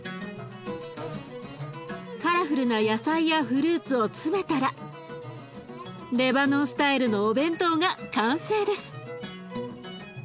カラフルな野菜やフルーツを詰めたらレバノンスタイルのお弁当が完成です。